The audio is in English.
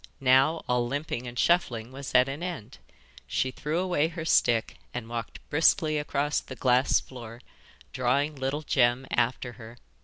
Now all limping and shuffling was at an end. She threw away her stick and walked briskly across the glass floor, drawing little Jem after her.